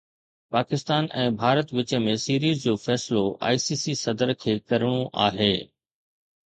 پاڪستان ۽ ڀارت وچ ۾ سيريز جو فيصلو آءِ سي سي صدر کي ڪرڻو آهي